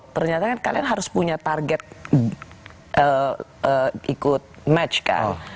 ternyata kan kalian harus punya target ikut match kan